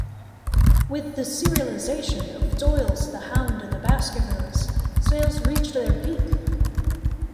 With the serialisation of Doyle's "The Hound of the Baskervilles", sales reached their peak.